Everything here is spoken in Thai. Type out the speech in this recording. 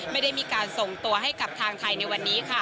ไม่ได้มีการส่งตัวให้กับทางไทยในวันนี้ค่ะ